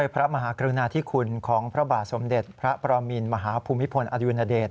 พระมหากรุณาธิคุณของพระบาทสมเด็จพระประมินมหาภูมิพลอดุญเดช